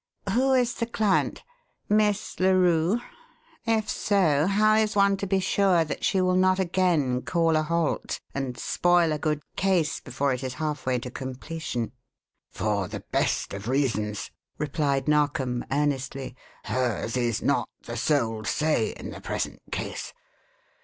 Who is the client? Miss Larue? If so, how is one to be sure that she will not again call a halt, and spoil a good 'case' before it is halfway to completion?" "For the best of reasons," replied Narkom earnestly. "Hers is not the sole 'say' in the present case.